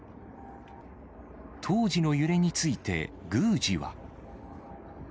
当時の揺れについて、宮司は。